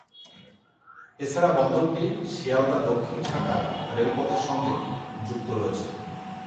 এছাড়া বন্দরটি শিয়ালদা দক্ষিণ শাখার রেলপথের সঙ্গে যুক্ত রয়েছে।